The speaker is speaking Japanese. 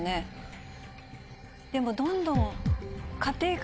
でもどんどん。